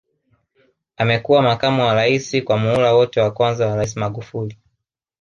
Amekuwa makamu wa Rais kwa muhula wote wa kwanza wa Rais Magufuli